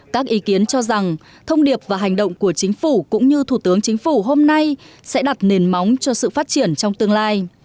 các ý kiến cho rằng thông điệp và hành động của chính phủ cũng như thủ tướng chính phủ hôm nay sẽ đặt nền móng cho sự phát triển trong tương lai